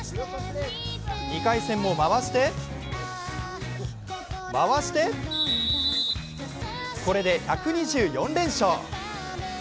２回戦も回して、回して、これで１２４連勝。